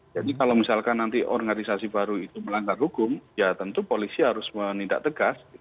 jadi kalau misalkan nanti organisasi baru itu melanggar hukum ya tentu polisi harus menindak tegas